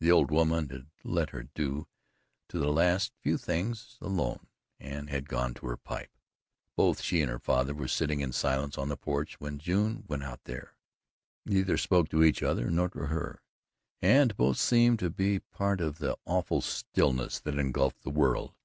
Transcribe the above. The old woman had left her to do the last few little things alone and had gone to her pipe. Both she and her father were sitting in silence on the porch when June went out there. Neither spoke to each other, nor to her, and both seemed to be part of the awful stillness that engulfed the world.